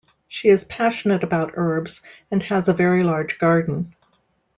She is passionate about herbs and has a very large garden.